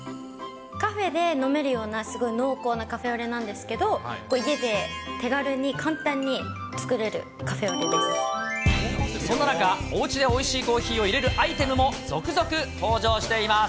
カフェで飲めるようなすごい濃厚なカフェオレなんですけど、家で手軽に簡単に作れるカフェオそんな中、おうちでおいしいコーヒーをいれるアイテムも続々登場しています。